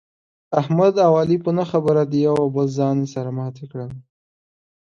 احمد او علي په نه خبره د یوه او بل زامې سره ماتې کړلې.